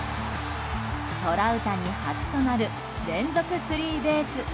トラウタニ初となる連続スリーベース。